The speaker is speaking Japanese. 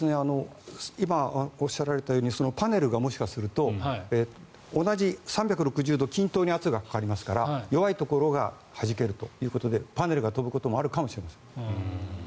今、おっしゃられたようにパネルがもしかすると３６０度均等に圧がかかりますから弱いところがはじけるということでパネルが飛ぶこともあるかもしれません。